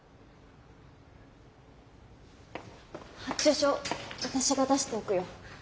発注書私が出しておくよ。